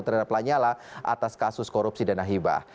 terhadap lanyala atas kasus korupsi dana hibah